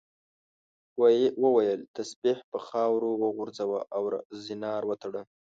وویل تسبیح په خاورو وغورځوه او زنار وتړه.